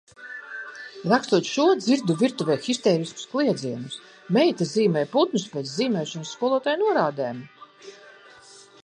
Rakstot šo, dzirdu virtuvē histēriskus kliedzienus. Meita zīmē putnus pēc zīmēšanas skolotāja norādēm.